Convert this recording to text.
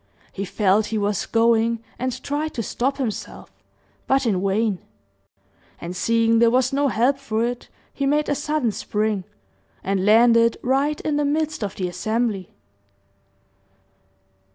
He felt he was going, and tried to stop himself, but in vain; and seeing there was no help for it, he made a sudden spring, and landed right in the midst of the assembly.